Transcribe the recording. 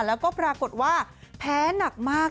แล้วก็ปรากฏว่าแพ้หนักมาก